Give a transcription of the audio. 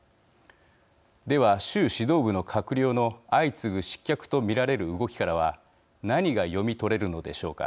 では習指導部の閣僚の相次ぐ失脚と見られる動きからは何が読み取れるのでしょうか。